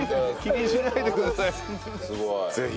ぜひ。